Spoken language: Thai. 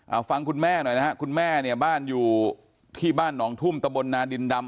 เอาฟังคุณแม่หน่อยนะฮะคุณแม่เนี่ยบ้านอยู่ที่บ้านหนองทุ่มตะบนนาดินดำ